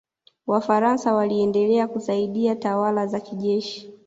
wafaransa waliendelea kusaidia tawala za kijeshi